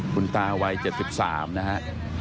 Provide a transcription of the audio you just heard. คุณตาวัยเจ็บสิบสามนะฮะ